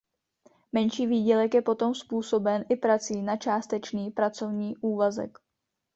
Menší výdělek je potom způsoben i prací na částečný pracovní úvazek.